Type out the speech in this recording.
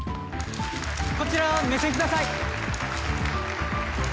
こちら目線下さい！